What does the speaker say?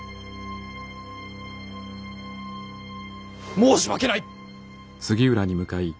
申し訳ない。